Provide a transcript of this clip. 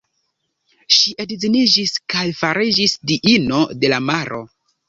Ŝi edziniĝis, kaj fariĝis diino de la maro.